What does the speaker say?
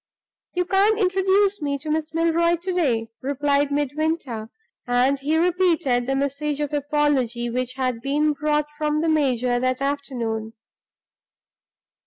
"You can't introduce me to Miss Milroy to day," replied Midwinter; and he repeated the message of apology which had been brought from the major that afternoon.